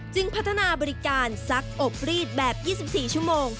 พัฒนาบริการซักอบรีดแบบ๒๔ชั่วโมง